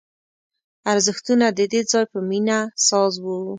ارزښتونه د دې ځای په مینه ساز وو